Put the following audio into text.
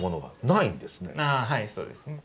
あはいそうですね。